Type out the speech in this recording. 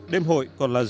đêm hội còn là dự án